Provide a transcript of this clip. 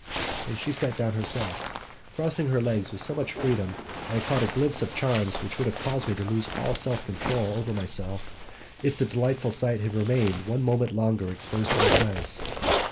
And she sat down herself, crossing her legs with so much freedom that I caught a glimpse of charms which would have caused me to lose all control over myself if the delightful sight had remained one moment longer exposed to my eyes.